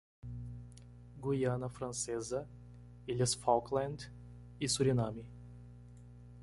Guiana Francesa, Ilhas Falkland e Suriname.